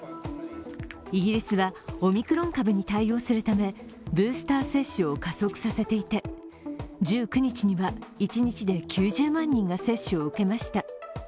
イギリスはオミクロン株に対応するためブースター接種を加速させていて、１９日には一日で９０万人が接種を受けました。